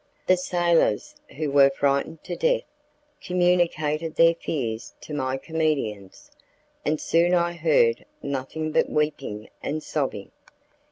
The sailors, who were frightened to death, communicated their fears to my comedians, and soon I heard nothing but weeping and sobbing.